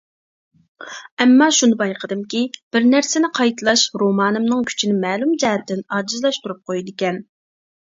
ئەمما شۇنى بايقىدىمكى، بىر نەرسىنى قايتىلاش رومانىمنىڭ كۈچىنى مەلۇم جەھەتتىن ئاجىزلاشتۇرۇپ قويىدىكەن.